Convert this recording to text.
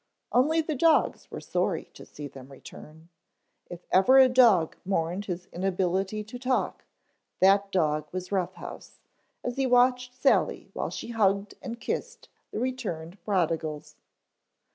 Only the dogs were sorry to see them return. If ever a dog mourned his inability to talk, that dog was Rough House as he watched Sally while she hugged and kissed the returned prodigals.